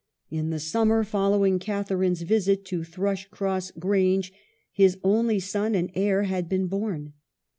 In the summer following Catharine's visit to Thrushcross Grange, his only son and heir had been born.